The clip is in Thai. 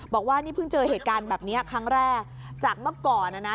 บอกว่านี่เพิ่งเจอเหตุการณ์แบบนี้ครั้งแรกจากเมื่อก่อนนะนะ